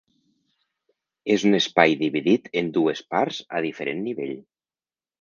És un espai dividit en dues parts a diferent nivell.